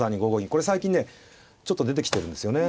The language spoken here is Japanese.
これ最近ねちょっと出てきてるんですよね。